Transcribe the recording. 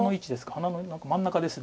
鼻の真ん中です。